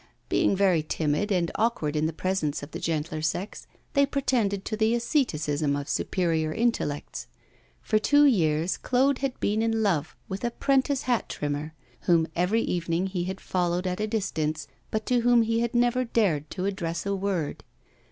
Being very timid and awkward in the presence of the gentler sex, they pretended to the asceticism of superior intellects. For two years Claude had been in love with a 'prentice hat trimmer, whom every evening he had followed at a distance, but to whom he had never dared to address a word.